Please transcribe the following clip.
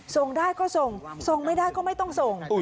ส่งได้ก็ส่งส่งไม่ได้ก็ไม่ต้องส่ง